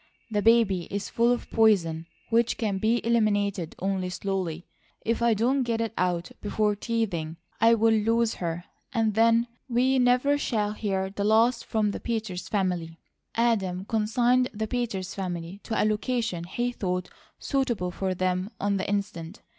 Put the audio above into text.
"The baby is full of poison which can be eliminated only slowly. If I don't get it out before teething, I'll lose her, and then we never shall hear the last from the Peters family." Adam consigned the Peters family to a location he thought suitable for them on the instant.